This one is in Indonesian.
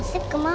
bos kita kemana